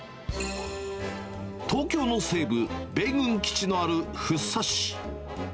東京の西部、米軍基地のある福生市。